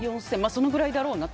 そのくらいだろうなと。